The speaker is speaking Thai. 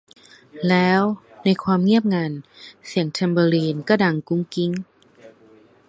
แล้ว ในความเงียบงัน เสียงแทมเบอรีนก็ดังกุ๊งกิ๊ง